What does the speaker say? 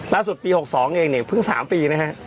ล่าสุดปี๖๒เองเนี่ยเพิ่ง๓ปีนะครับ